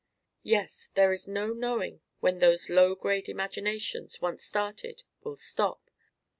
"Yes, there is no knowing when those low grade imaginations, once started, will stop.